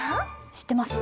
知ってます？